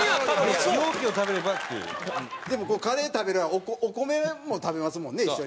でもカレー食べるお米も食べますもんね一緒に。